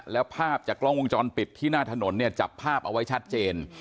แล้วภาพจากกล้องวงจรปิดที่หน้าถนนเนี่ยจับภาพเอาไว้ชัดเจน